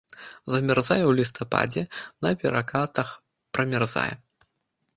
Замярзае ў лістападзе, на перакатах прамярзае.